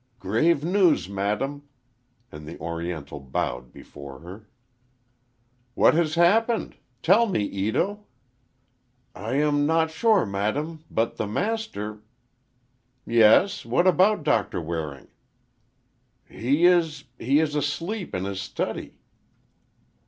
"Grave news, madam," and the Oriental bowed before her. "What has happened? Tell me, Ito." "I am not sure, madam—but, the master—" "Yes, what about Doctor Waring?" "He is—he is asleep in his study."